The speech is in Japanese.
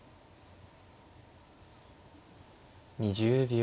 ２０秒。